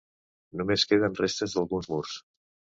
Només queden restes d'alguns murs.